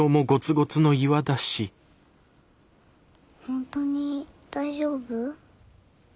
本当に大丈夫？